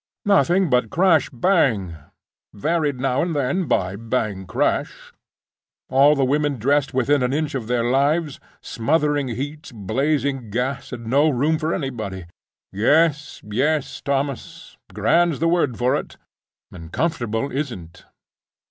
Nothing but crash bang, varied now and then by bang crash; all the women dressed within an inch of their lives; smothering heat, blazing gas, and no room for anybody—yes, yes, Thomas; grand's the word for it, and comfortable isn't."